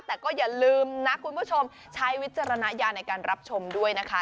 แต่ก็อย่าลืมนะคุณผู้ชมใช้วิจารณญาณในการรับชมด้วยนะคะ